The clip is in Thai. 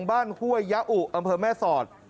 ห้วยยะอุอำเภอแม่สอด